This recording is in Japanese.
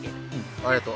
ありがとう。